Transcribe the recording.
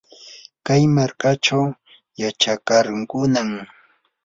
kay markachaw yachakarqunam.